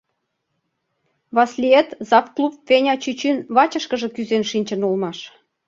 Васлиет завклуб Веня чӱчӱн вачышкыже кӱзен шинчын улмаш.